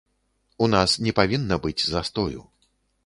У нас не павінна быць застою.